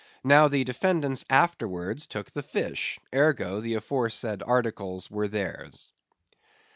Now the defendants afterwards took the fish; ergo, the aforesaid articles were theirs.